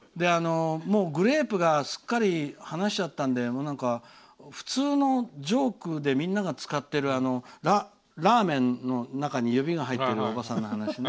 グレープがすっかり話しちゃったんで普通のジョークでみんなが使ってるラーメンの中に指が入ってるおばさんの話ね。